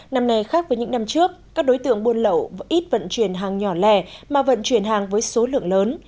năm nay khác với những năm trước các đối tượng buôn lậu ít vận chuyển hàng nhỏ lẻ mà vận chuyển hàng với số lượng lớn